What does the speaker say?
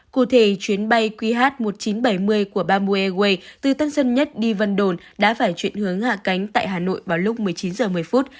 cụ thể chuyến bay qh một nghìn chín trăm bảy mươi của bamboo airways từ tân sơn nhất đi vân đồn đã phải chuyển hướng hạ cánh tại hà nội vào lúc một mươi chín h một mươi